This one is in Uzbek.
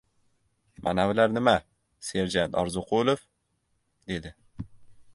— Manavilar nima, serjant Orziqulov? — dedi.